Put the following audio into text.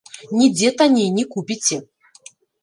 Нідзе танней не купіце!